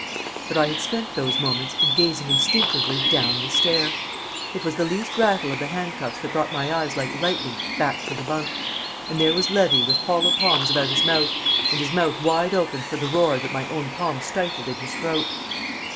But I had spent those moments in gazing instinctively down the stair; it was the least rattle of the handcuffs that brought my eyes like lightning back to the bunk; and there was Levy with hollow palms about his mouth, and his mouth wide open for the roar that my own palms stifled in his throat.